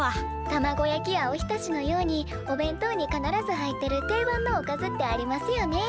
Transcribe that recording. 卵焼きやおひたしのようにお弁当に必ず入ってる定番のおかずってありますよね。